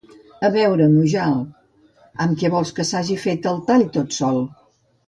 A veure, Mujal, amb què vols que s'hagi fet el tall tot sol?